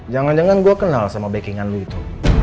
jangan jangan gue kenal sama bakingan lo itu